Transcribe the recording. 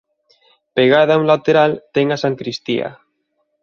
Pegada a un lateral ten a sancristía.